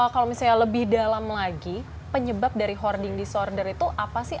kalau misalnya lebih dalam lagi penyebab dari hoarding disorder itu apa sih